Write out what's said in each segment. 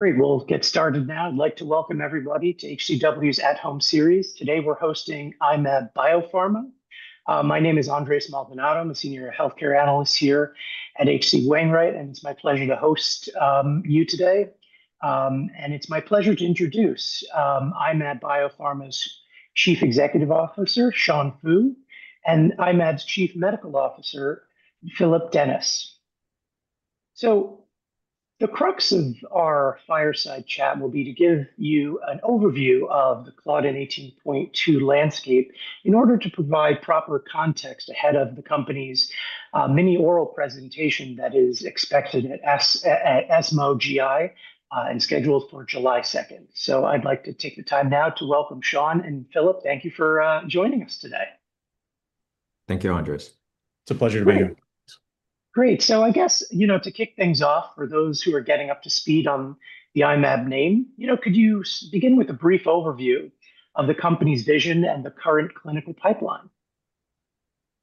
Great, we'll get started now. I'd like to welcome everybody to H.C. Wainwright's At Home series. Today we're hosting I-Mab Biopharma. My name is Andres Maldonado, I'm a senior healthcare analyst here at H.C. Wainwright and it's my pleasure to host you today. It's my pleasure to introduce I-MAB Biopharma's Chief Executive Officer Sean Fu and I-MAB's Chief Medical Officer Philip Dennis. The crux of our fireside chat will be to give you an overview of the Claudin 18.2 landscape in order to provide proper context ahead of the company's mini oral presentation that is expected at ESMO GI and scheduled for July 2nd. I'd like to take the time now to welcome Sean and Philip. Thank you for joining us today. Thank you, Andrés. It's a pleasure to be here. Great. I guess you know, to kick things off, for those who are getting up to speed on the I-MAB name, you know, could you begin with a brief overview of the company's vision and the current clinical pipeline?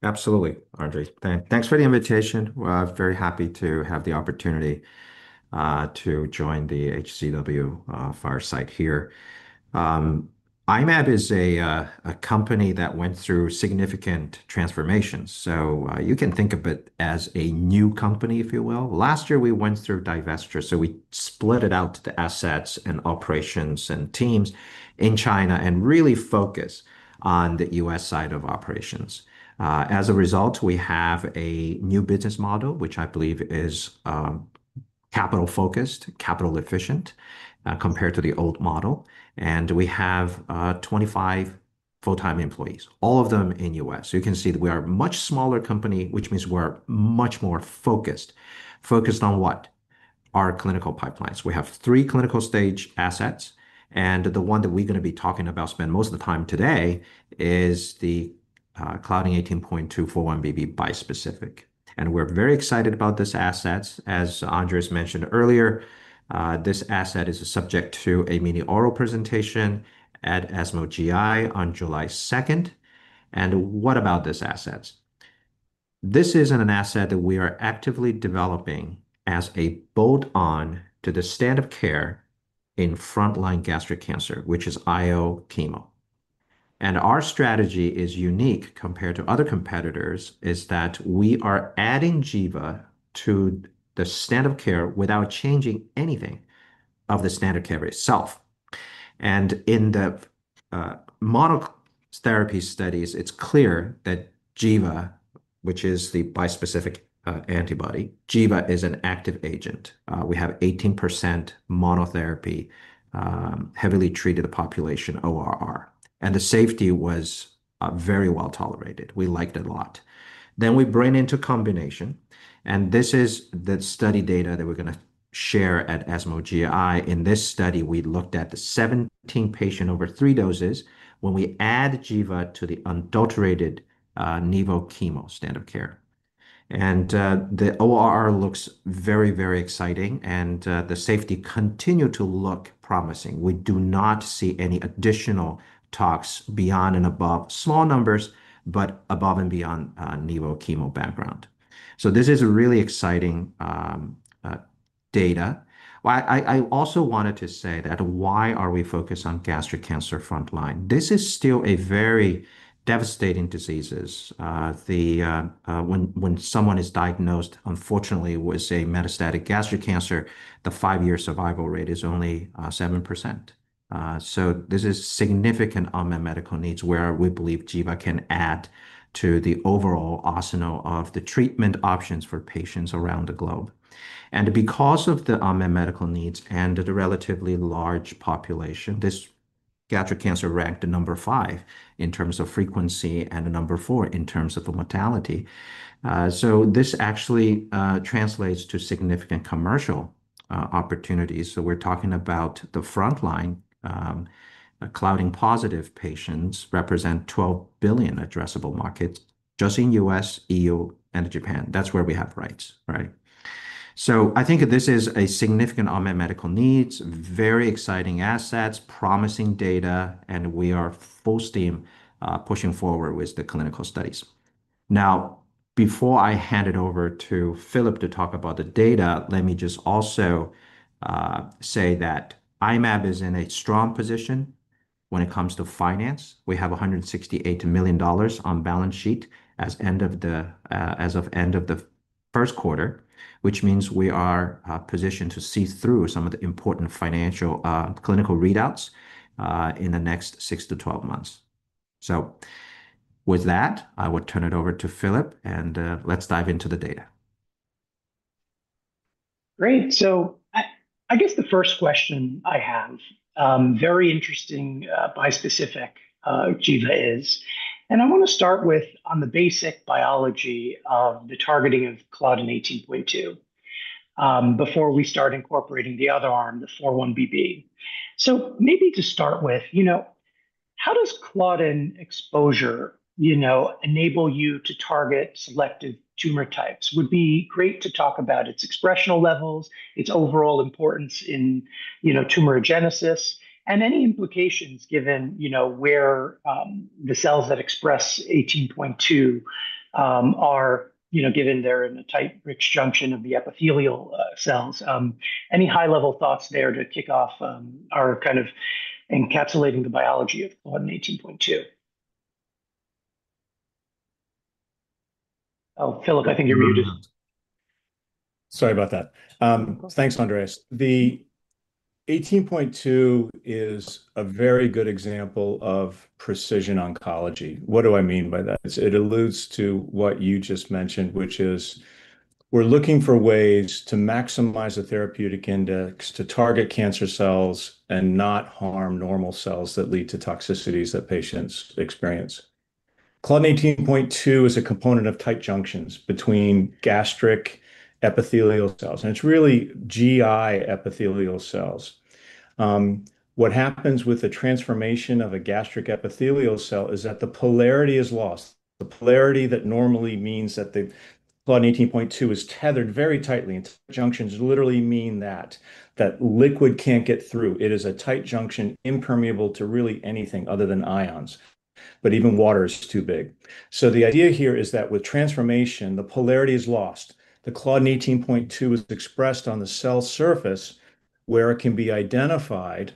Absolutely. Andre, thanks for the invitation. Very happy to have the opportunity to join the H.C. W fireside here. I-MAB is a company that went through significant transformations so you can think of it as a new company if you will. Last year we went through divestiture so we split out the assets and operations and teams in China and really focus on the U.S. side of operations. As a result we have a new business model which I believe is capital focused, capital efficient compared to the old model. We have 5 full time employees, all of them in the U.S. You can see that we are a much smaller company which means we're much more focused. Focused on what our clinical pipelines. We have three clinical stage assets and the one that we're going to be talking about, spend most of the time today, is the Claudin 18.2 4-1BB bispecific and we're very excited about this asset. As Andres mentioned earlier, this asset is subject to a mini oral presentation at ESMO GI on July 2. What about this asset? This is an asset that we are actively developing as a bolt-on to the standard of care in frontline gastric cancer, which is IO chemo. Our strategy is unique compared to other competitors, is that we are adding Jiva to the standard of care without changing anything of the standard care itself. In the monotherapy studies, it's clear that Giva, which is the bispecific antibody, Giva is an active agent. We have 18% monotherapy heavily treated population ORR and the safety was very well tolerated. We liked it a lot. We bring into combination and this is the study data that we're going to share at ESMO GI. In this study we looked at the 17 patients over three doses. When we add Giva to the unadulterated nivo chemo standard of care and the ORR looks very, very exciting and the safety continues to look promising. We do not see any additional tox beyond and above small numbers, but above and beyond nivo chemo background. This is really exciting data. I also wanted to say that why are we focused on gastric cancer frontline? This is still a very devastating disease when someone is diagnosed. Unfortunately with metastatic gastric cancer, the five year survival rate is only 7%. This is significant unmet medical needs where we believe Giva can add to the overall arsenal of the treatment options for patients around the globe. Because of the unmet medical needs and the relatively large population, this gastric cancer ranked number five in terms of frequency and number four in terms of mortality. This actually translates to significant commercial opportunities. We're talking about the frontline Claudin 18.2-positive patients represent a $12 billion addressable market just in the U.S., EU, and Japan. That's where we have rights. Right. I think this is a significant unmet medical need, very exciting assets, promising data and we are full steam pushing forward with the clinical studies. Now before I hand it over to Philip to talk about the data, let me just also say that I-MAB is in a strong position when it comes to finance. We have $168 million on balance sheet as of end of the first quarter, which means we are positioned to see through some of the important financial clinical readouts in the next six to twelve months. With that I would turn it over to Philip and let's dive into the data. Great. I guess the first question I have, very interesting bispecific Giva is, and I want to start with on the basic biology of the targeting of Claudin 18.2 before we start incorporating the other arm, the 4-1BB. Maybe to start with, you know, how does claudin exposure, you know, enable you to target selective tumor types? Would be great to talk about its expressional levels, its overall importance in tumorigenesis, and any implications given, you know, where the cells that express 18.2 are, you know, given they're in a tight rich junction of the epithelial cells. Any high level thoughts there to kick off are kind of encapsulating the biology of Claudin 18.2. Oh, Philip, I think you're muted. Sorry about that. Thanks, Andres. The 18.2 is a very good example of precision oncology. What do I mean by that? It alludes to what you just mentioned, which is we're looking for ways to maximize the therapeutic index to target cancer cells and not harm normal cells that lead to toxicities that patients experience. Claudin 18.2 is a component of tight junctions between gastric epithelial cells and it die epithelial cells. What happens with the transformation of a gastric epithelial cell is that the polarity is lost. The polarity that normally means that the Claudin 18.2 is tethered very tightly and junctions literally mean that that liquid can't get through. It is a tight junction impermeable to really anything other than ions. Even water is too big. The idea here is that with transformation, the polarity is lost. The Claudin 18.2 is expressed on the cell surface where it can be identified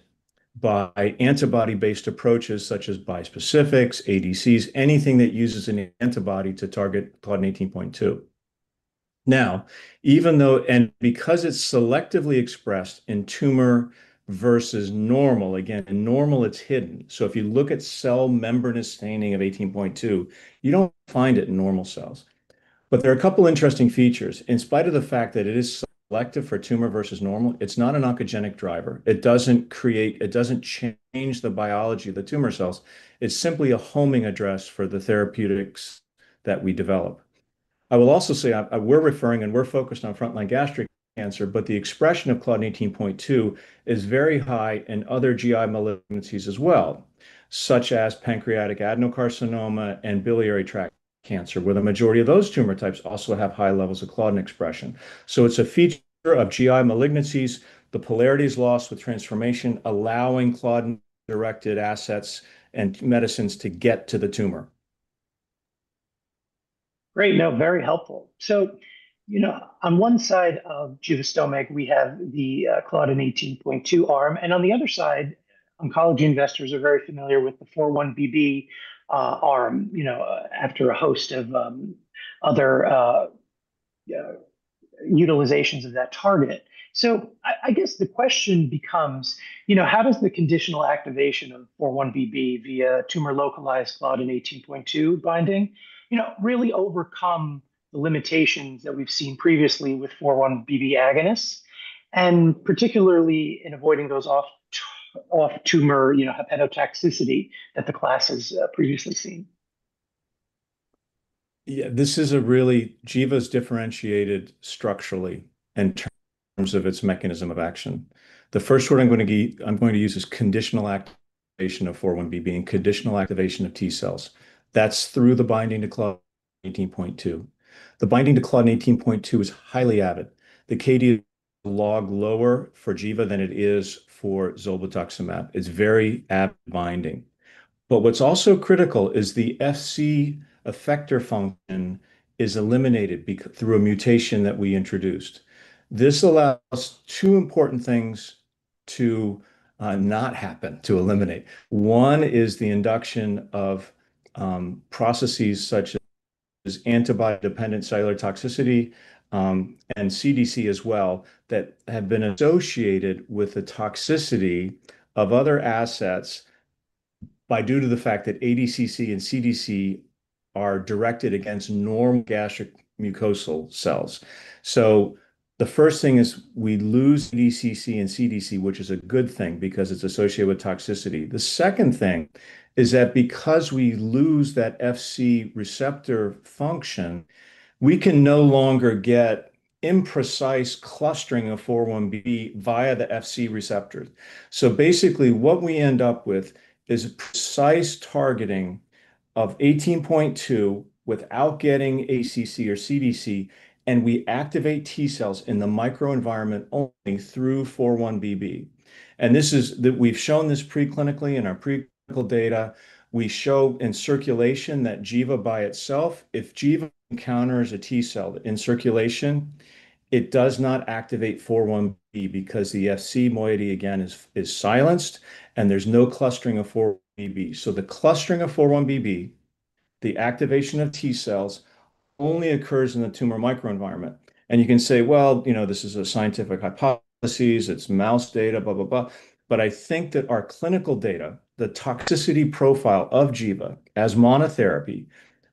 by antibody-based approaches such as bispecifics, ADCs, anything that uses an antibody to target Claudin 18.2. Now, even though, and because it's selectively expressed in tumor versus normal, again, in normal, it's hidden. If you look at cell membranous staining of 18.2, you don't find it in normal cells. There are a couple interesting features. In spite of the fact that it is selective for tumor versus normal, it's not an oncogenic driver. It doesn't change the biology of the tumor cells. It's simply a homing address for the therapeutics that we develop. I will also say we're referring and we're focused on frontline gastric cancer, but the expression of Claudin 18.2 is very high in other GI malignancies as well, such as pancreatic adenocarcinoma and biliary tract cancer, where the majority of those tumor types also have high levels of Claudin expression. It is a feature of GI malignancies. The polarity is lost with transformation, allowing claudin directed assets and medicines to get to the tumor. Great. Now, very helpful. You know, on one side of Givastomig we have the Claudin 18.2 arm, and on the other side, oncology investors are very familiar with the 4-1BB arm, you know, after a host of other utilizations of that target. I guess the question becomes, you know, how does the conditional activation of 4-1BB via tumor localized Claudin 18.2 binding, you know, really overcome the limitations that we have seen previously with 4-1BB agonists and particularly in avoiding those off-tumor, you know, hepatotoxicity that the class has previously seen. Yeah, this is a really. Jiva is differentiated structurally in terms of its mechanism of action. The first word I'm going to, I'm going to use is conditional activation of 4-1BB, being conditional activation of T cells. That's through the binding to Claudin 18.2. The binding to Claudin 18.2 is highly avid, the KD log lower for Jiva than it is for Zolbetuximab. It's very avid binding. What's also critical is the Fc effector function is eliminated through a mutation that we introduced. This allows two important things to not happen. To eliminate, one is the induction of processes such as antibody-dependent cellular cytotoxicity and CDC as well that have been associated with the toxicity of other assets due to the fact that ADCC and CDC are directed against normal gastric mucosal cells. The first thing is we lose ADCC and CDC, which is a good thing because it's associated with toxicity. The second thing is that because we lose that Fc receptor function, we can no longer get imprecise clustering of 4-1BB via the Fc receptors. Basically what we end up with is a precise targeting of 18.2 without getting ADCC or CDC and we activate T cells in the microenvironment only through 4-1BB. We've shown this preclinically in our preclinical data. We show in circulation that Jiva by itself, if Jiva encounters a T cell in circulation, it does not activate 4-1BB because the Fc moiety again is silenced and there's no clustering of 4-1BB. The clustering of 4-1BB, the activation of T cells only occurs in the tumor microenvironment. You can say, you know, this is a scientific hypothesis, it's mouse data, blah blah blah. I think that our clinical data, the toxicity profile of Giva as monotherapy,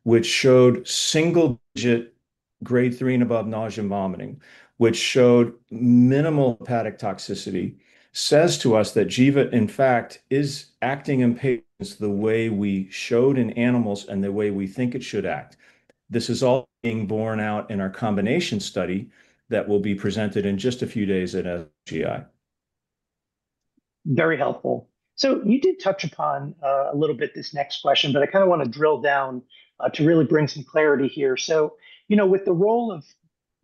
which showed single digit grade three and above nausea and vomiting, which showed minimal hepatic toxicity, says to us that Giva in fact is acting in patients the way we show animals and the way we think it should act. This is all being borne out in our combination study that will be presented in just a few days at LGI. Very helpful. You did touch upon a little bit this next question. I kind of want to drill down to really bring some clarity here. You know, with the role of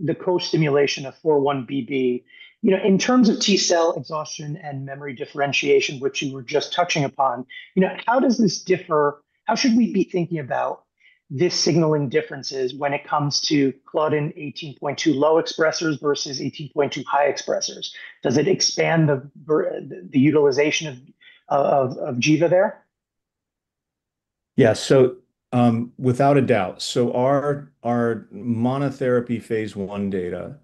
the co-stimulation of 4-1BB, you know, in terms of T cell exhaustion and memory differentiation, which you were just touching upon, how does this differ from, how should we be thinking about this signaling differences when it comes to Claudin 18.2 low expressors versus 18.2 high expressors? Does it expand the utilization of Giva there? Yes, so without a doubt. Our monotherapy phase one data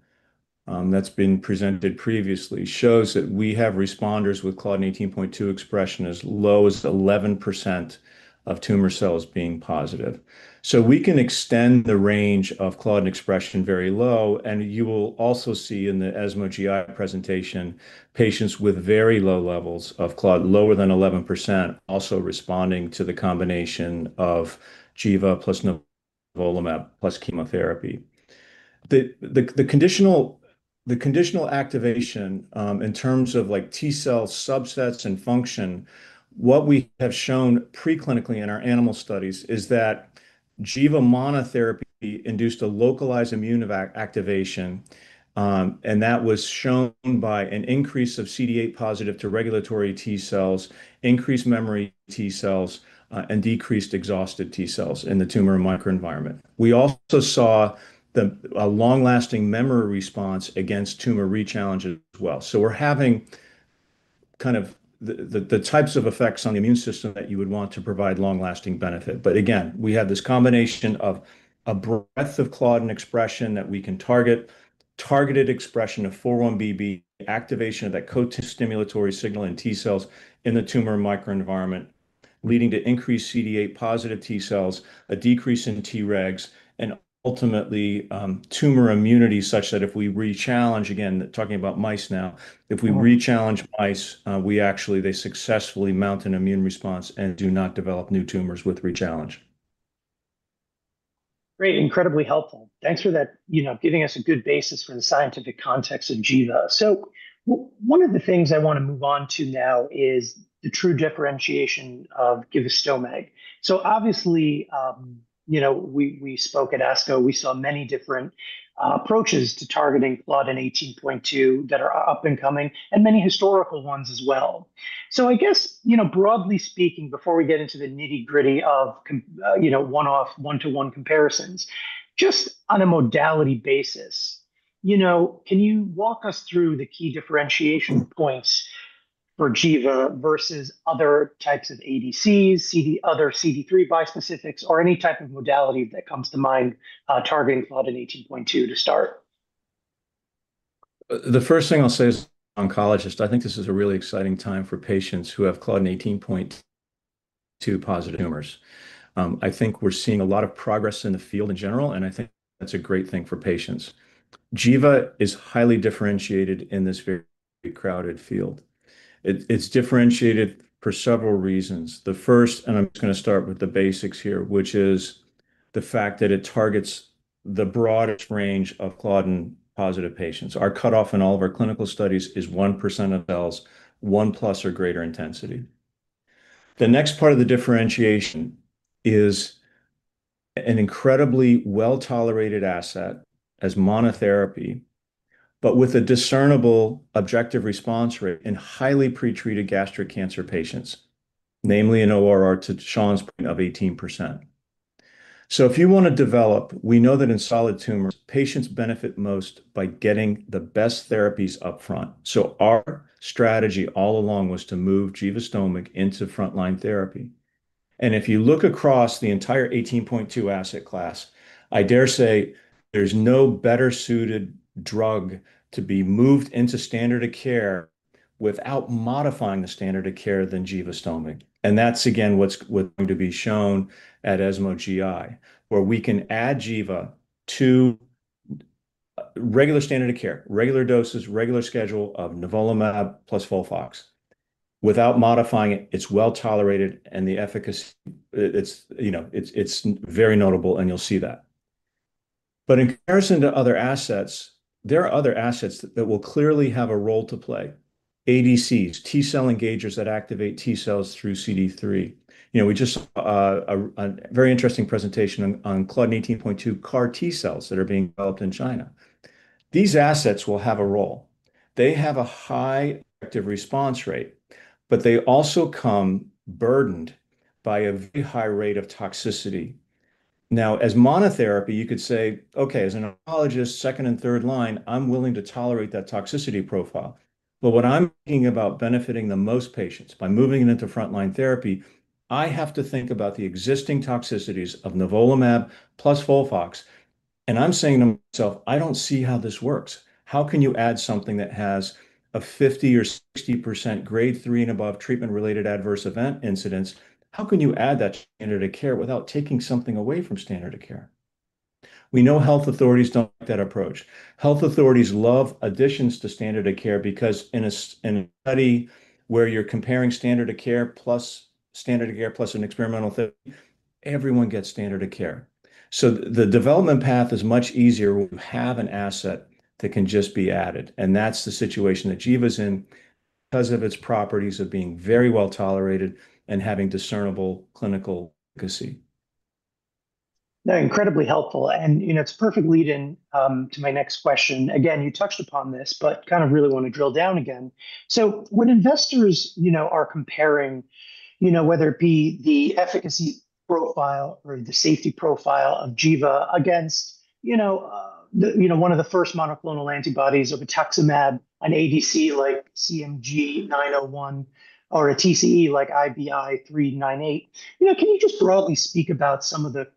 that's been presented previously shows that we have responders with Claudin 18.2 expression as low as 11% of tumor cells being positive. We can extend the range of Claudin expression very low. You will also see in the ESMO GI presentation, patients with very low levels of Claudin, lower than 11%, also responding to the combination of Giva plus nivolumab plus chemotherapy, the conditional activation in terms of T cell subsets and function. What we have shown preclinically in our animal studies is that Giva monotherapy induced a localized immune activation and that was shown by an increase of CD8+ to regulatory T cells, increased memory T cells, and decreased exhausted T cells in the tumor microenvironment. We also saw a long lasting memory response against tumor rechallenge as well. We're having the types of effects on the immune system that you would want to provide long lasting benefit. Again, we have this combination of a breadth of Claudin expression that we can target, targeted expression of 4-1BB activation of that costimulatory signal in T cells in the tumor microenvironment, leading to increased CD8+ T cells, a decrease in Tregs, and ultimately tumor immunity. Such that if we rechallenge—again talking about mice now—if we rechallenge mice, they actually successfully mount an immune response and do not develop new tumors with rechallenge. Great. Incredibly helpful, thanks for that, you know, giving us a good basis for the scientific context of Giva. One of the things I want to move on to now is the true differentiation of Givastomig. Obviously, you know, we spoke at ASCO, we saw many different approaches to targeting Claudin 18.2 that are up and coming and many historical ones as well. I guess, you know, broadly speaking, before we get into the nitty gritty of, you know, one-off, one-to-one comparisons, just on a modality basis, you know, can you walk us through the key differentiation points for Giva versus other types of ADCs, other CD3 bispecifics, or any type of modality that comes to mind targeting Claudin 18.2 to start. First thing I'll say as oncologist, I think this is a really exciting time for patients who have Claudin 18.2 positive tumors. I think we're seeing a lot of progress in the field in general and I think that's a great thing for patients. Giva is highly differentiated in this very crowded field. It's differentiated for several reasons. The first, and I'm going to start with the basics here, which is the fact that it targets the broadest range of Claudin positive patients. Our cutoff in all of our clinical studies is 1% of cells 1 plus or greater intensity. The next part of the differentiation is an incredibly well tolerated asset as monotherapy, but with a discernible objective response rate in highly pretreated gastric cancer patients, namely an ORR to Sean's point of 18%. If you want to develop, we know that in solid tumors, patients benefit most by getting the best therapies up front. Our strategy all along was to move Givastomig into frontline therapy. If you look across the entire 18.2 asset class, I dare say there's no better suited drug to be moved into standard of care without modifying the standard of care than Givastomig. That's again what's going to be shown at ESMO GI where we can add Giva to regular standard of care, regular doses, regular schedule of Nivolumab plus FOLFOX without modifying it. It's well tolerated and the efficacy, it's, you know, it's very notable and you'll see that. In comparison to other assets, there are other assets that will clearly have a role to play. ADCs, T cell engagers that activate T cells through CD3. You know, we just had a very interesting presentation on Claudin 18.2 CAR-T cells that are being developed in China. These assets will have a role. They have a high active response rate, but they also come burdened by a high rate of toxicity. Now, as monotherapy, you could say, okay, as an oncologist, second and third line, I'm willing to tolerate that toxicity profile. What I'm thinking about is benefiting the most patients by moving it into frontline therapy. I have to think about the existing toxicities of Nivolumab plus FOLFOX. I'm saying to myself, I don't see how this works. How can you add something that has a 50-60% grade three and above treatment-related adverse event incidence? How can you add that to standard of care without taking something away from standard of care? We know health authorities don't like that approach. Health authorities love additions to standard of care because in a study where you're comparing standard of care plus standard of care plus an experimental therapy, everyone gets standard of care. The development path is much easier when you have an asset that can just be added. That's the situation that Giva is in because of its properties of being very well tolerated and having discernible clinical efficacy. Incredibly helpful. You know, it's a perfect lead in to my next question. Again, you touched upon this but kind of really want to drill down again. When investors, you know, are comparing, you know, whether it be the efficacy profile or the safety profile of Giva against, you know, one of the first monoclonal antibodies of Rituximab, an ADC like CMG 901 or a TCE like IBI398, you know, can you just broadly speak about some of the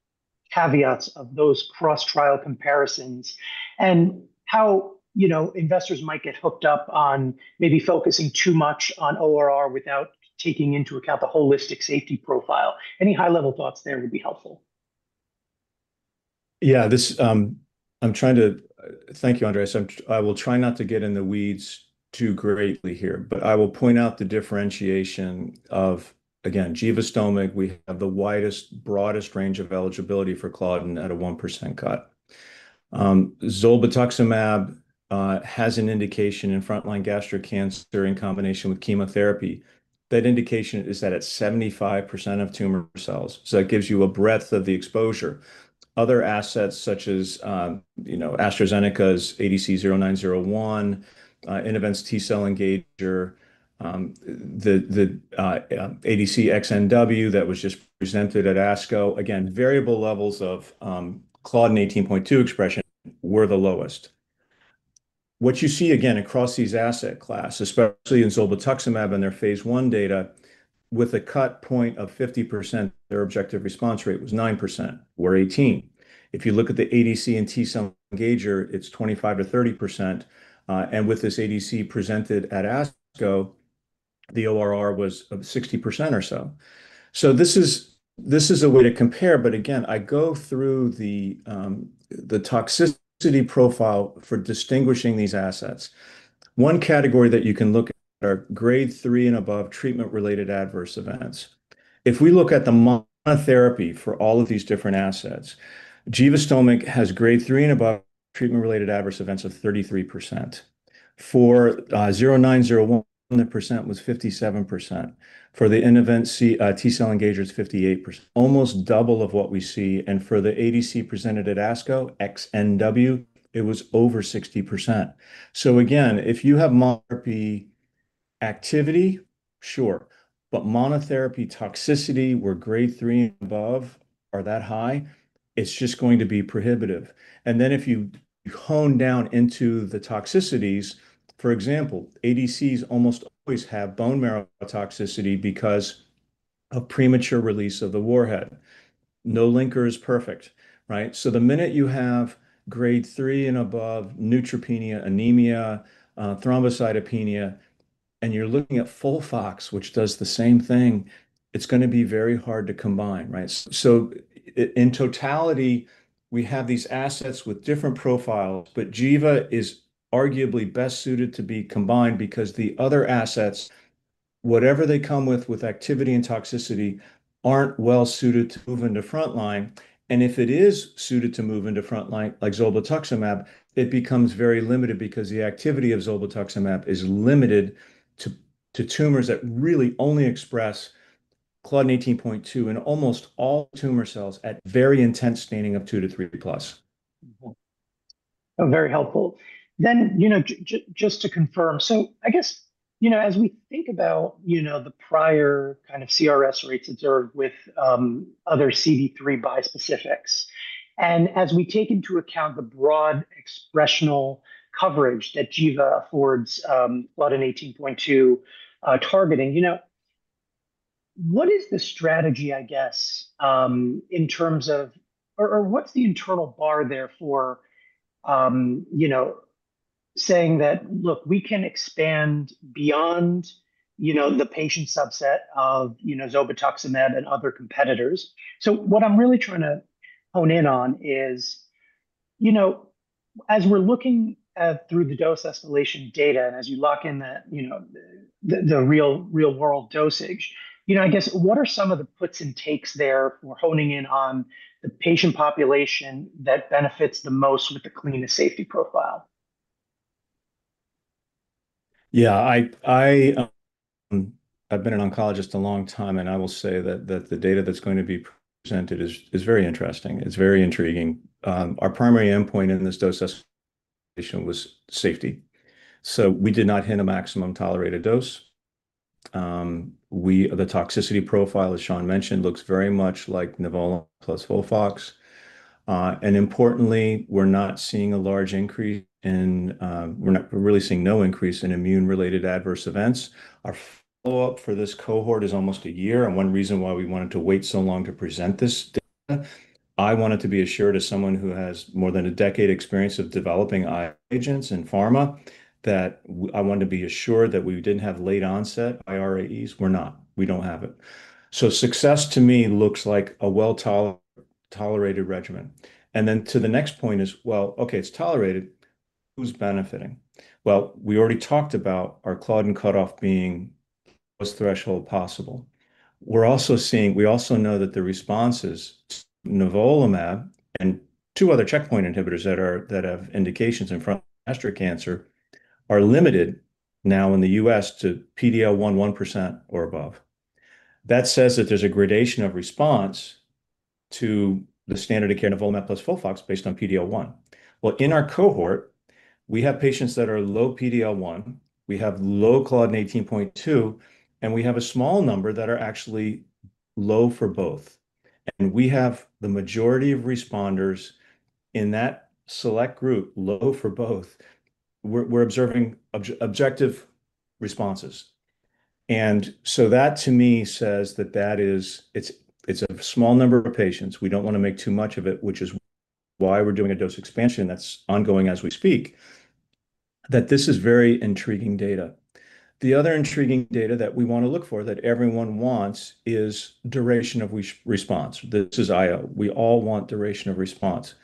caveats of those cross trial comparisons and how, you know, investors might get hooked up on maybe focusing too much on ORR without taking into account the holistic safety profile. Any high level thoughts there would be helpful. Yeah, this I'm trying to. Thank you, Andres. I will try not to get in the weeds too greatly here but I will point out the differentiation of, again, Givastomig. We have the widest, broadest range of eligibility for Claudin at a 1% cut. Zolbetuximab has an indication in frontline gastric cancer in combination with chemotherapy. That indication is that it's 75% of tumor cells. That gives you a breadth of the exposure. Other assets such as, you know, AstraZeneca's ADC AZD0901, Innovent's T-cell engager, the ADC XNW that was just presented at ASCO, again variable levels of Claudin 18.2 expression were the lowest. What you see again across these asset class, especially in Zolbetuximab and their phase one data with a cut point of 50%, their objective response rate was 9% or 18%. If you look at the ADC and T-cell engager it's 25% - 30%. With this ADC presented at ASCO, the ORR was 60% or so. This is a way to compare. Again, I go through the toxicity profile for distinguishing these assets. One category that you can look at are grade three and above treatment-related adverse events. If we look at the monotherapy for all of these different assets, Givastomig has grade three and above treatment-related adverse events of 33%. For 0901, the percent was 57%. For the Innovent T-cell engagers, 58%, almost double of what we see. For the ADC presented at ASCO, XNW, it was over 60%. Again, if you have monotherapy activity, sure. But monotherapy toxicity, where grade three and above are that high, it's just going to be prohibitive. If you hone down into the toxicities, for example, ADCs almost always have bone marrow toxicity because of premature release of the warhead. No linker is perfect. Right. The minute you have grade 3 and above, neutropenia, anemia, thrombocytopenia, and you're looking at FOLFOX, which does the same thing, it's going to be very hard to combine. Right. In totality, we have these assets with different profiles. Giva is arguably best suited to be combined because the other assets, whatever they come with with activity and toxicity, are not well suited to move into frontline. If it is suited to move into frontline like Zolbetuximab, it becomes very limited because the activity of zolbetuximab is limited to tumors that really only express Claudin 18.2 in almost all tumor cells at very intense staining of 2-3+. Very helpful then just to confirm. I guess as we think about the prior kind of CRS rates observed with other CD3 bispecifics, and as we take into account the broad expressional coverage Giva affords, with an 18.2 targeting, you know, what is the strategy, I guess, in terms of, or what's the internal bar there for, you know, saying that, look, we can expand beyond, you know, the patient subset of, you know, Zolbetuximab and other competitors. What I'm really trying to hone in on is, you know, as we're looking at through the dose escalation data and as you lock in the, you know, the real, real world dosage, you know, I guess what are some of the puts and takes there? We're honing in on the patient population that benefits the most with the clean safety profile. Yeah, I've been an oncologist a long time and I will say that the data that's going to be presented is very interesting. It's very intriguing. Our primary endpoint in this dose patient was safety. So we did not hit a maximum tolerated dose. The toxicity profile, as Sean mentioned, looks very much like Nivolumab plus FOLFOX and importantly we're not seeing a large increase in, we're not really seeing no increase in immune related adverse events. Our follow up for this cohort is almost a year and one reason why we wanted to wait so long to present this data, I wanted to be assured as someone who has more than a decade experience of developing agents in pharma that I wanted to be assured that we didn't have late onset IRAEs. We're not, we don't have it. Success to me looks like a well tolerated regimen. The next point is, okay, it's tolerated. Who's benefiting? We already talked about our Claudin cutoff being threshold possible. We're also seeing, we also know that the responses Nivolumab and two other checkpoint inhibitors that have indications in frontline gastric cancer are limited now in the U.S. to PD-L1 1% or above. That says that there's a gradation of response to the standard of care. Nivolumab plus FOLFOX based on PD-L1. In our cohort we have patients that are low PD-L1, we have low Claudin 18.2, and we have a small number that are actually low for both. We have the majority of responders in that select group low for both. We're observing objective responses. That to me says that is, it's a small number of patients. We don't want to make too much of it, which is why we're doing a dose expansion that's ongoing as we speak. This is very intriguing data. The other intriguing data that we want to look for, that everyone wants, is duration of response. This is IO. We all want duration of response.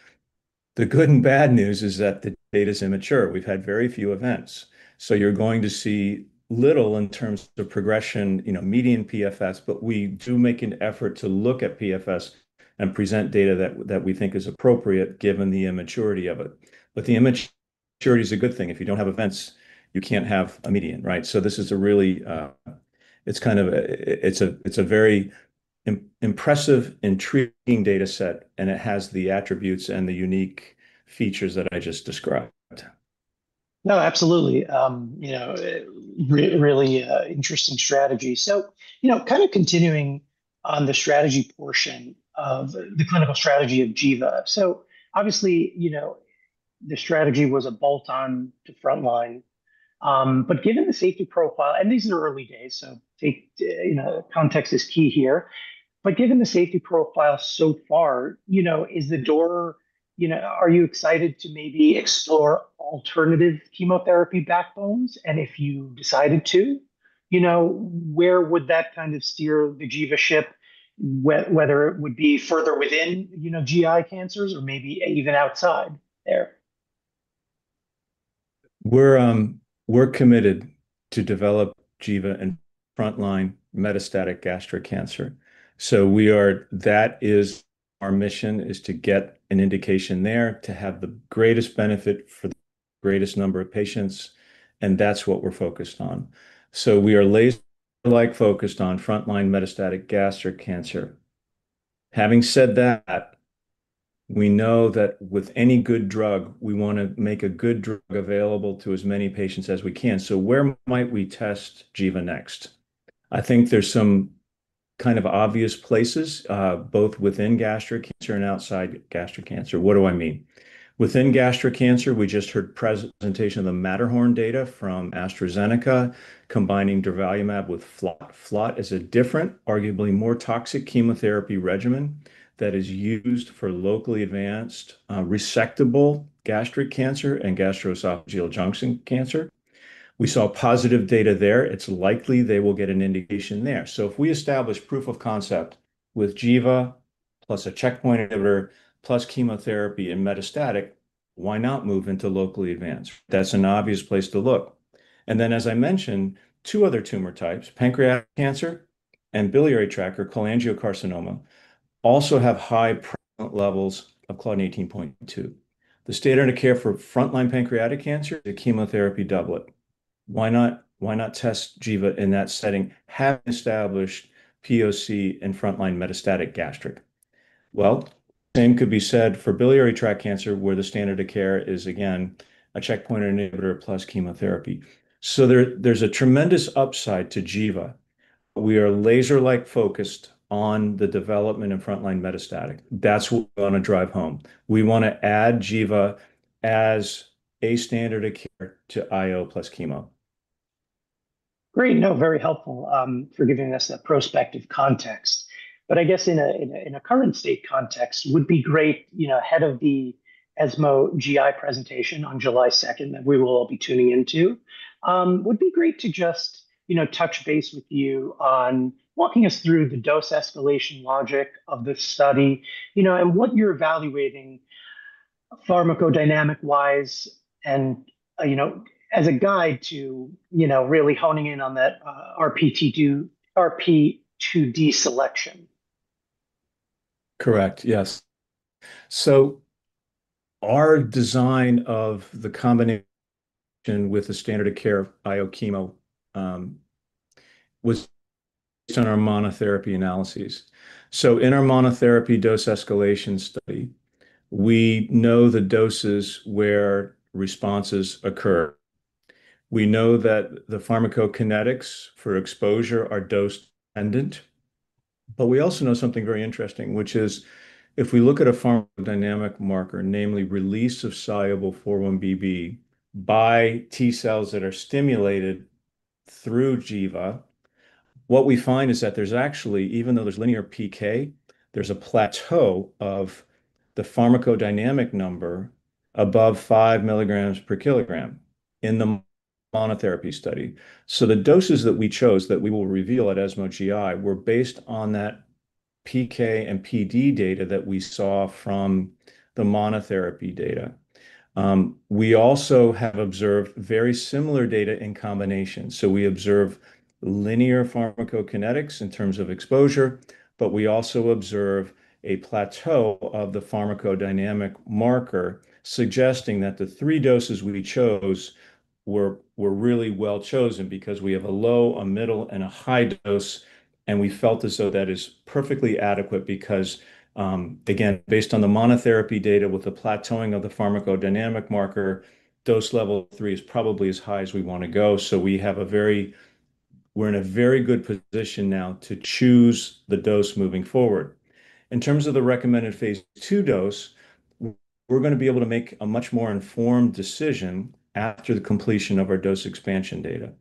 The good and bad news is that the data is immature. We've had very few events, so you're going to see little in terms of progression, median PFS. We do make an effort to look at PFS and present data that we think is appropriate given the immaturity of it. The immaturity is a good thing. If you don't have events, you can't have a median. Right. This is a really, it's kind of a, it's a very impressive, intriguing data set and it has the attributes and the unique features that I just described. No, absolutely, you know, really interesting strategy. You know, kind of continuing on the strategy portion of the clinical strategy of Giva. Obviously, you know, the strategy was a bolt on to frontline, but given the safety profile, and these are early days, so context is key here. Given the safety profile so far, you know, is the door, you know, are you excited to maybe explore alternative chemotherapy backbones and if you decided to, you know, where would that kind of steer the Jiva ship, whether it would be further within, you know, GI cancers or maybe even outside there? We're committed to develop Giva in frontline metastatic gastric cancer. That is our mission, to get an indication there to have the greatest benefit for the greatest number of patients. That's what we're focused on. We are laser like focused on frontline metastatic gastric cancer. Having said that, we know that with any good drug, we want to make a good drug available to as many patients as we can. Where might we test Giva next? I think there's some kind of obvious places both within gastric cancer and outside gastric cancer. What do I mean within gastric cancer? We just heard presentation of the MATTERHORN data from AstraZeneca. Combining Durvalumab with FLOT is a different, arguably more toxic chemotherapy regimen that is used for locally advanced resectable gastric cancer and gastroesophageal junction cancer. We saw positive data there. It's likely they will get an indication there. If we establish proof of concept with Giva plus a checkpoint inhibitor plus chemotherapy in metastatic, why not move into locally advanced? That's an obvious place to look. As I mentioned, two other tumor types, pancreatic cancer and biliary tract or cholangiocarcinoma, also have high prevalent levels of Claudin 18.2. The standard of care for frontline pancreatic cancer is the chemotherapy doublet. Why not test Giva in that setting, having established POC in frontline metastatic gastric? The same could be said for biliary tract cancer, where the standard of care is again a checkpoint inhibitor plus chemotherapy. There is a tremendous upside to Giva. We are laser-like focused on the development of frontline metastatic. That's what we want to drive home. We want to add Giva as a standard of care to IO plus chemo. Great. No, very helpful for giving us that prospective context, but I guess in a, in a current state context would be great. You know, ahead of the ESMO GI presentation on July 2, that we will all be tuning into. Would be great to just, you know, touch base with you on walking us through the dose escalation logic of this study, you know, and what you're evaluating pharmacodynamic wise and, you know, as a guide to, you know, really honing in on that RP2D selection. Correct? Yes. Our design of the combination with the standard of care of biochemo was based on our monotherapy analyses. In our monotherapy dose escalation study, we know the doses where responses occur. We know that the pharmacokinetics for exposure are dose dependent. We also know something very interesting, which is if we look at a pharmacodynamic marker, namely release of soluble 4-1BB by T cells that are stimulated through Giva, what we find is that there's actually, even though there's linear PK, a plateau of the pharmacodynamic number above 5 mg per kg in the monotherapy study. The doses that we chose that we will reveal at ESMO GI were based on that PK and PD data that we saw from the monotherapy data. We also have observed very similar data in combinations. We observe linear pharmacokinetics in terms of exposure, but we also observe a plateau of the pharmacodynamic marker, suggesting that the three doses we chose were really well chosen because we have a low, a middle, and a high dose. We felt as though that is perfectly adequate because again, based on the monotherapy data, with the plateauing of the pharmacodynamic marker, dose level three is probably as high as we want to go. We have a very, we're in a very good position now to choose the dose moving forward in terms of the recommended phase two dose. We're going to be able to make a much more informed decision after the completion of our dose expansion data.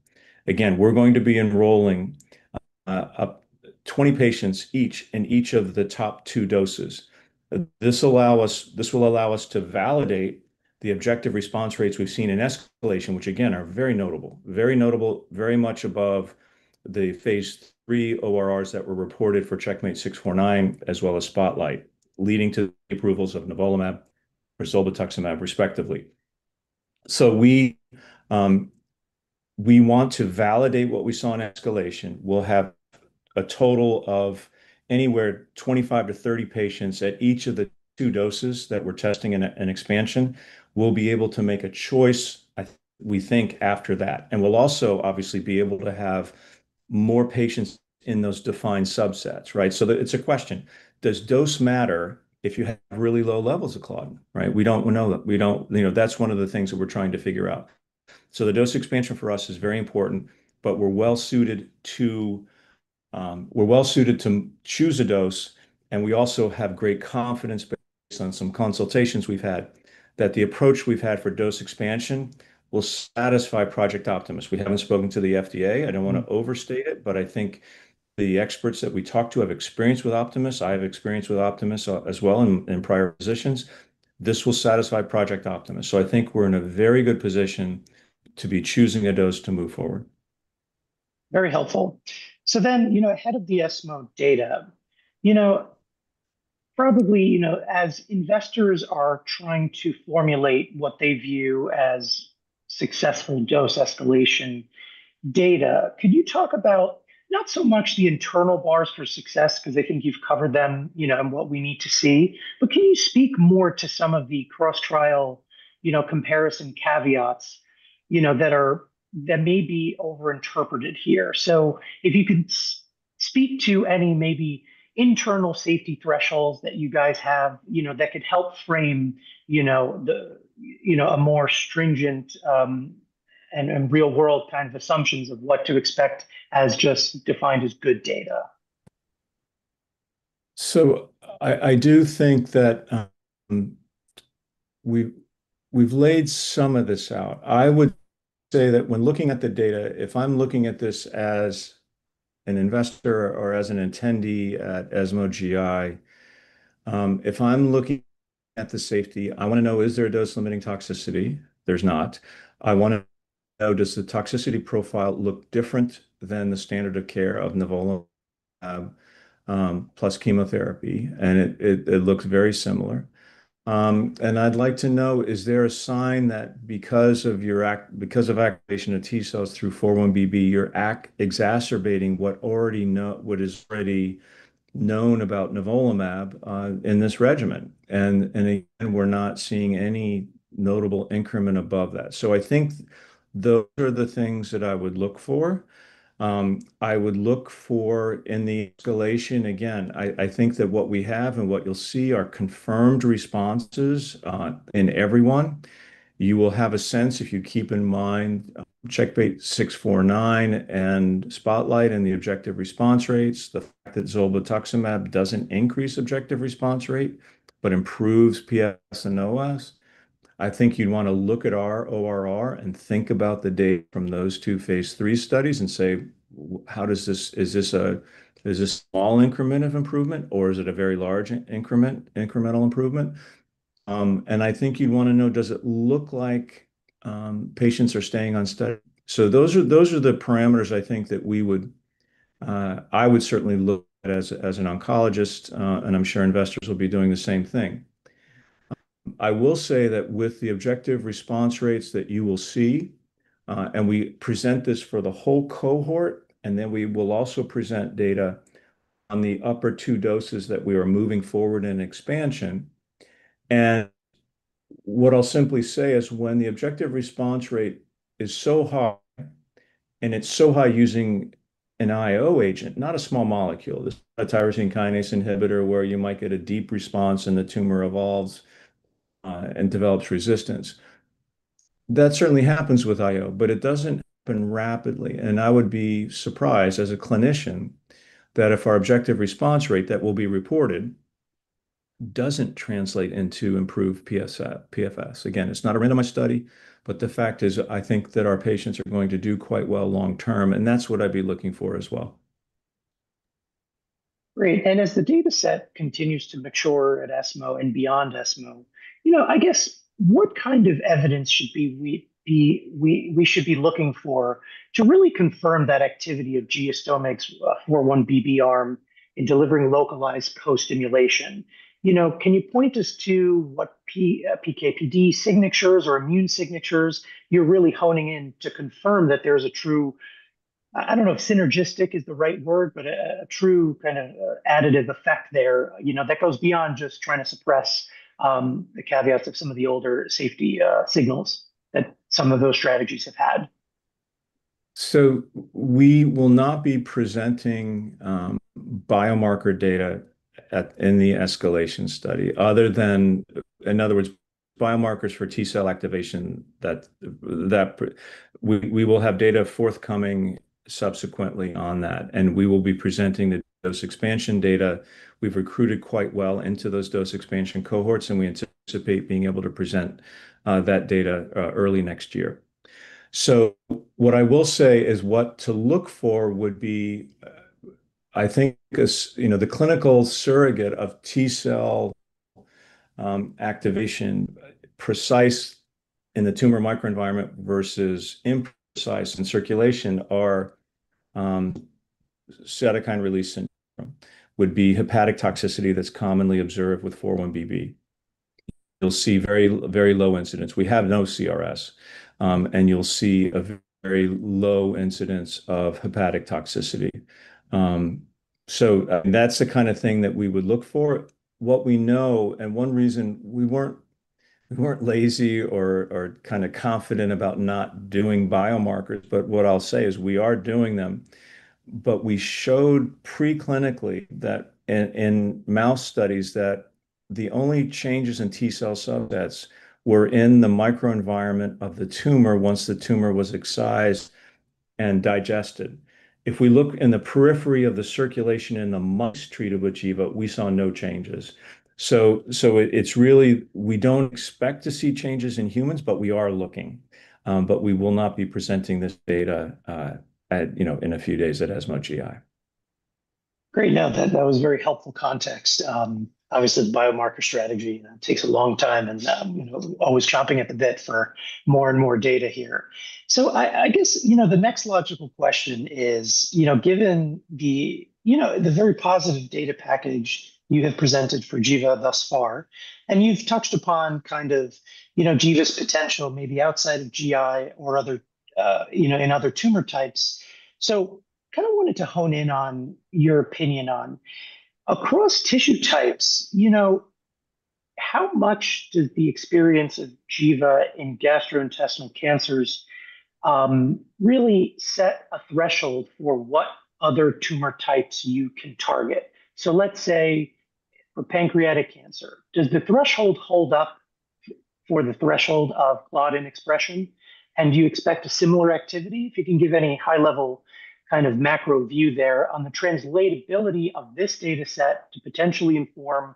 Again, we're going to be enrolling 20 patients each in each of the top two doses. This will allow us to validate the objective response rates we've seen in escalation, which again are very notable, very notable, very much above the phase III ORRs that were reported for CheckMate649 as well as SPOTLIGHT, leading to approvals of Nivolumab or Zolbetuximab, respectively. We want to validate what we saw in escalation. We'll have a total of anywhere from 25-30 patients at each of the two doses that we're testing in expansion and will be able to make a choice, we think, after that. We'll also obviously be able to have more patients in those defined subsets. Right, so it's a question, does dose matter if you have really low levels of Claudin? Right? We don't know that. We don't, you know, that's one of the things that we're trying to figure out. The dose expansion for us is very important, but we're well suited to choose a dose and we also have great confidence based on some consultations we've had, that the approach we've had for dose expansion will satisfy Project Optimus. We haven't spoken to the FDA. I don't want to overstate it, but I think the experts that we talked to have experience with Optimus, I have experience with Optimus as well, in prior positions. This will satisfy Project Optimus. I think we're in a very good position to be choosing a dose to move forward. Very helpful. So then, you know, ahead of the ESMO data, you know, probably, you know, as investors are trying to formulate what they view as successful dose escalation data, could you talk about not so much the internal bars for success, because I think you've covered them, you know, and what we need to see. Could you speak more to some of the cross trial, you know, comparison caveats, you know, that are, that may be over interpreted here. If you can speak to any, maybe internal safety thresholds that you guys have, you know, that could help frame, you know, the, you know, a more stringent and real world kind of assumptions of what to expect as just defined as good data. I do think that we've laid some of this out. I would say that when looking at the data, if I'm looking at this as an investor or as an attendee at ESMO GI, if I'm looking at the safety, I want to know, is there a dose limiting toxicity? There's not. I want to know, does the toxicity profile look different than the standard of care of Nivolumab plus chemotherapy? It looks very similar. I'd like to know, is there a sign that because of activation of T cells through 4-1BB, you're exacerbating what is already known about Nivolumab in this regimen and we're not seeing any notable increment above that. I think those are the things that I would look for, I would look for in the escalation. Again, I think that what we have and what you'll see are confirmed responses in everyone. You will have a sense if you keep in mind CheckMate 649 and SPOTLIGHT. The objective response rates, the fact that Zolbetuximab doesn't increase objective response rate, but improves PFS and OS, I think you'd want to look at our ORR and think about the data from those two phase III studies and say, how does this. Is this a small increment of improvement or is it a very large incremental improvement? I think you'd want to know, does it look like patients are staying on study? Those are the parameters I think that we would, I would certainly look at as an oncologist and I'm sure investors will be doing the same thing. I will say that with the objective response rates that you will see, and we present this for the whole cohort and then we will also present data on the upper two doses that we are moving forward in expansion. What I'll simply say is when the objective response rate is so high and it's so high using an IO agent, not a small molecule, this is not a tyrosine kinase inhibitor where you might get a deep response and the tumor evolves and develops resistance. That certainly happens with IO, but it doesn't happen rapidly. I would be surprised as a clinician that if our objective response rate that will be reported doesn't translate into improved PFS. Again, it's not a randomized study, but the fact is I think that our patients are going to do quite well long term. That is what I'd be looking for as well. Great. As the data set continues to mature at ESMO and beyond ESMO, you know, I guess what kind of evidence should we be looking for to really confirm that activity of Givastomig 4-1BB in delivering localized post stimulation. You know, can you point us to what PKPD signatures or immune signatures you're really honing in to confirm that there's a true—I don't know if synergistic is the right word, but a true kind of additive effect there, you know, that goes beyond just trying to suppress the caveats of some of the older safety signals that some of those strategies have had. We will not be presenting biomarker data in the escalation study other than, in other words, biomarkers for T cell activation. We will have data forthcoming subsequently on that, and we will be presenting the dose expansion data. We have recruited quite well into those dose expansion cohorts, and we anticipate being able to present that data early next year. What I will say is what to look for would be, I think, you know, the clinical surrogate of T cell activation precise in the tumor microenvironment versus imprecise in circulation. Our cytokine release syndrome would be hepatic toxicity. That is commonly observed with 4-1BB. You will see very, very low incidence. We have no CRS, and you will see a very low incidence of hepatic toxicity. That is the kind of thing that we would look for, what we know, and one reason we were not lazy or kind of confident about not doing biomarkers. What I will say is we are doing them. We showed preclinically that in mouse studies, the only changes in T cell subsets were in the microenvironment of the tumor once the tumor was excised and digested. If we look in the periphery of the circulation in the mice treated with Giva, we saw no changes. It is really, we do not expect to see changes in humans, but we are looking, but we will not be presenting this data in a few days at ESMO GI. Great. Now that was very helpful context. Obviously the biomarker strategy takes a long time and always chomping at the bit for more and more data here. I guess the next logical question is, you know, given the, you know, the very positive data package you have presented for Giva thus far and you've touched upon kind of, you know, Giva's potential maybe outside of GI or other, you know, in other tumor types. So kind of wanted to hone in on your opinion on across tissue types. You know, how much does the experience of Giva in gastrointestinal cancers really set a threshold for what other tumor types you can target? Let's say for pancreatic cancer, does the threshold hold up for the threshold of Claudin expression and do you expect a similar activity? If you can give any high level macro view there on the translatability of this data set to potentially inform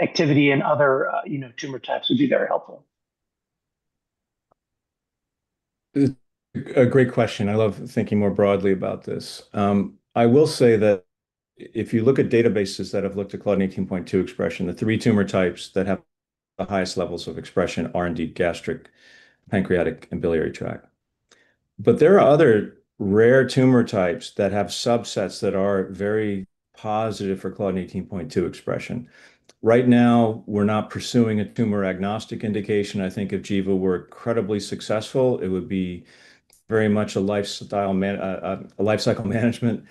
activity in other tumor types, it would be very helpful. A great question. I love thinking more broadly about this. I will say that if you look at databases that have looked at Claudin 18.2 expression, the three tumor types that have the highest levels of expression are indeed gastric, pancreatic, and biliary tract. There are other rare tumor types that have subsets that are very positive for Claudin 18.2 expression. Right now, we're not pursuing a tumor agnostic indication. I think if Giva were incredibly successful, it would be very much a life cycle management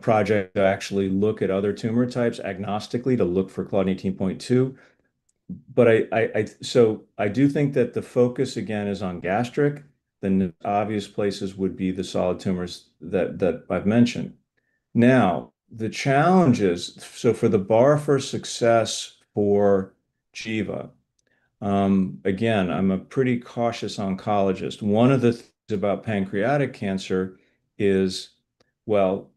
project to actually look at other tumor types agnostically to look for Claudin 18.2. I do think that the focus again is on gastric. The obvious places would be the solid tumors that I've mentioned. The challenge is, for the bar for success for Giva, again, I'm a pretty cautious oncologist. One of the things about pancreatic cancer is, IO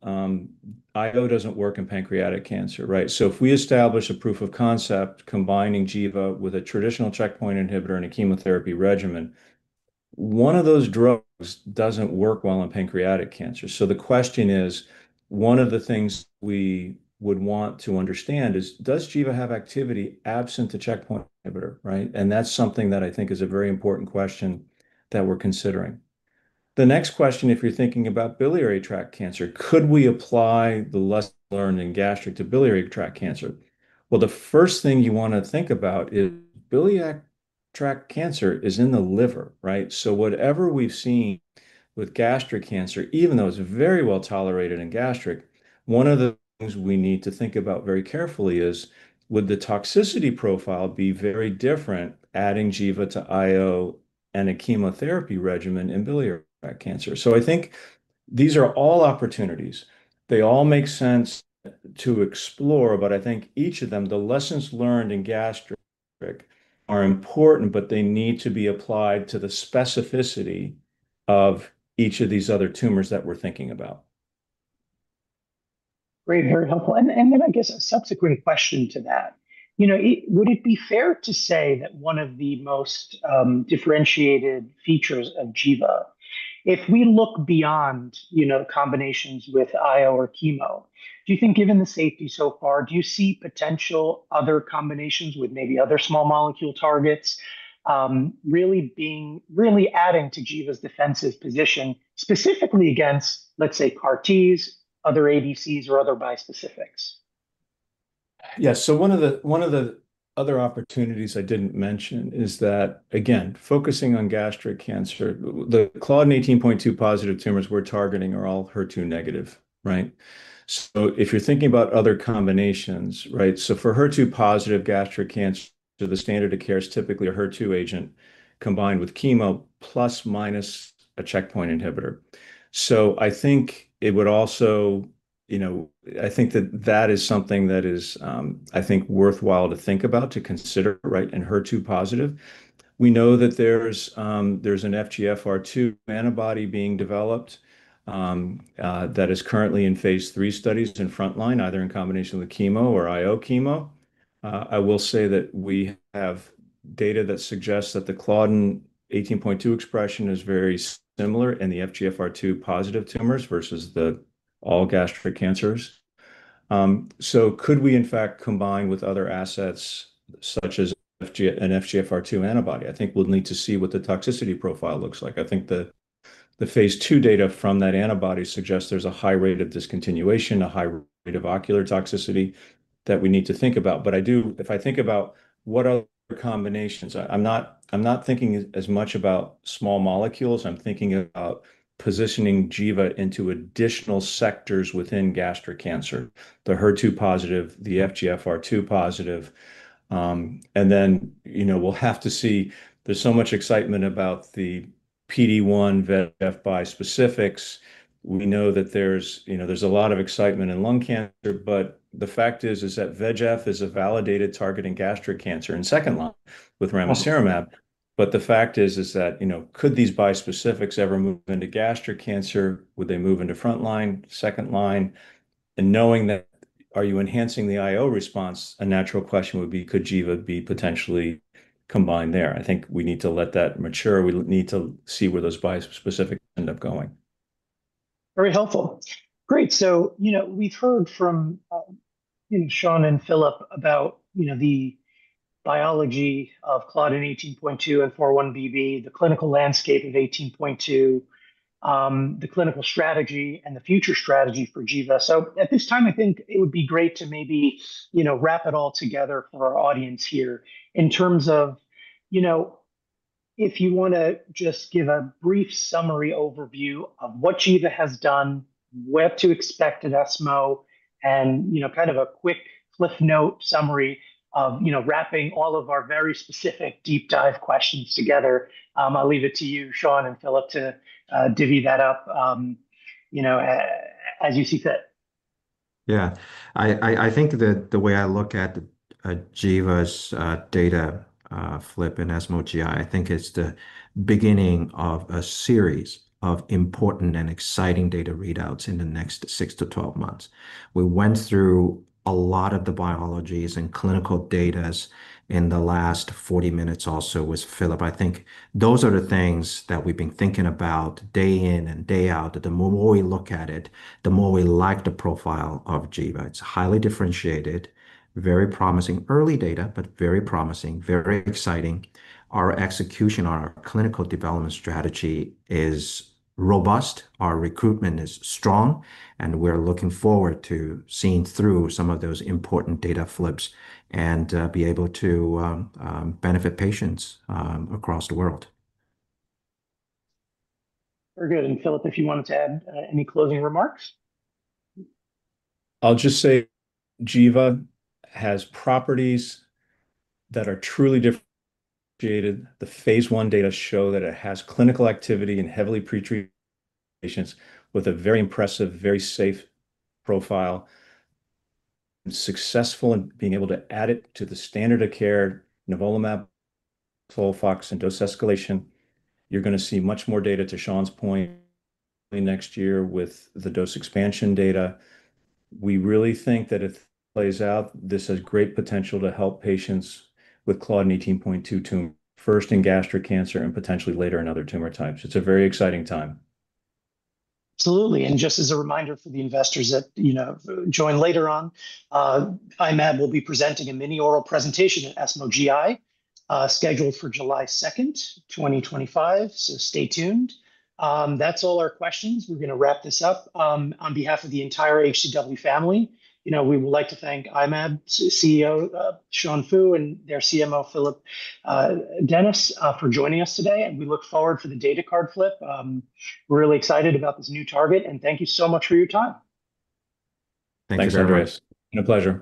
doesn't work in pancreatic cancer, right. If we establish a proof of concept, combining Giva with a traditional checkpoint inhibitor and a chemotherapy regimen, one of those drugs doesn't work well in pancreatic cancer. The question is, one of the things we would want to understand is, does Giva have activity absent the checkpoint inhibitor, right. That's something that I think is a very important question that we're considering. The next question, if you're thinking about biliary tract cancer, could we apply the lesson learned in gastric to biliary tract cancer. The first thing you want to think about is biliary tract cancer is in the liver, right. Whatever we've seen with gastric cancer, even though it's very well tolerated in gastric, one of the things we need to think about very carefully is would the toxicity profile be very different, adding Giva to IO and a chemotherapy regimen in biliary cancer? I think these are all opportunities. They all make sense to explore, but I think each of them, the lessons learned in gastric are important, but they need to be applied to the specificity of each of these other tumors that we're thinking about. Great. Very helpful. I guess a subsequent question to that. You know, would it be fair to say that one of the most differentiated features of Giva, if we look beyond, you know, combinations with IO or chemo, do you think, given the safety so far, do you see potential other combinations with maybe other small molecule targets really being really adding to Giva's defensive position, specifically against, let's say, CAR-Ts, other ADCs, or other bispecifics? Yes. One of the other opportunities I didn't mention is that, again, focusing on gastric cancer, the Claudin 18.2 positive tumors we're targeting are all HER2 negative. Right. If you're thinking about other combinations. For HER2 positive gastric cancer, the standard of care is typically a HER2 agent combined with chemo plus or minus a checkpoint inhibitor. I think that is something that is worthwhile to think about, to consider. Right. In HER2 positive, we know that there's an FGFR2 antibody being developed that is currently in phase III studies in frontline, either in combination with chemo or IO chemo. I will say that we have data that suggests that the Claudin 18.2 expression is very similar in the FGFR2 positive tumors versus all gastric cancers. Could we in fact combine with other assets such as an FGFR2 antibody? I think we'll need to see what the toxicity profile looks like. I think the phase two data from that antibody suggests there's a high rate of discontinuation, a high rate of ocular toxicity that we need to think about. If I think about what other combinations, I'm not thinking as much about small molecules. I'm thinking about positioning Giva into additional sectors within gastric cancer. The HER2 positive, the FGFR2 positive, and then, you know, we'll have to see. There's so much excitement about the PD1VE bispecifics. We know that there's a lot of excitement in lung cancer, but the fact is that VEGF is a validated target in gastric cancer in second line with Ramucirumab. The fact is that could these bispecifics ever move into gastric cancer? Would they move into front line, second line? And knowing that, are you enhancing the IO response? A natural question would be, could Giva be potentially combined there? I think we need to let that mature. We need to see where those bispecifics end up going. Very helpful. Great. You know, we've heard from Sean and Philip about, you know, the biology of Claudin 18.2 and 4-1BB, the clinical landscape of 18.2, the clinical strategy, and the future strategy for Giva. At this time, I think it would be great to maybe, you know, wrap it all together for our audience here in terms of, you know, if you want to just give a brief summary overview of what Giva has done, what to expect at ESMO, and kind of a quick flipnote summary of wrapping all of our very specific deep dive questions together. I'll leave it to you, Sean and Philip, to divvy that up as you see fit. Yeah, I think that the way I look at the Giva's data flip in ESMO GI, I think it's the beginning of a series of important and exciting data readouts in the next six to twelve months. We went through a lot of the biology and clinical data in the last 40 minutes. Also with Philip. I think those are the things that we've been thinking about day in and day out that the more we look at it, the more we like the profile of Jiva. It's highly differentiated, very promising early data, but very promising, very exciting. Our execution on our clinical development strategy is robust, our recruitment is strong and we're looking forward to seeing through some of those important data flips and be able to benefit patients across the world. Very good. Philip, if you wanted to add. Any closing remarks? I'll just say Giva has properties that are truly differentiated. The phase one data show that it has clinical activity in heavily pretreated patients with a very impressive, very safe profile, successful in being able to add it to the standard of care. Nivolumab and dose escalation. You're going to see much more data to Sean's point next year with the dose expansion data. We really think that it plays out. This has great potential to help patients with Claudin 18.2 tumor first in gastric cancer and potentially later in other tumor types. It's a very exciting time. Absolutely. And just as a reminder for the investors that join later on, I-MAB will be presenting a mini oral presentation at ESMO GI scheduled for July 2, 2025. So stay tuned. That's all our questions. We're going to wrap this up on behalf of the entire HC Wainwright family. You know, we would like to thank I-MAB CEO Sean Fu and their CMO Philip Dennis for joining us today and we look forward for the data card flip. We're really excited about this new target and thank you so much for your time. Thanks, Andres. A pleasure.